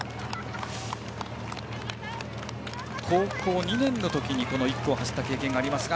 高校２年のとき１区を走った経験がありますが。